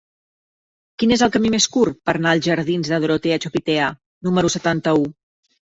Quin és el camí més curt per anar als jardins de Dorotea Chopitea número setanta-u?